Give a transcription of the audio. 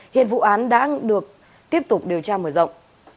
hiện vụ án đang được tiếp tục điều tra mở rộng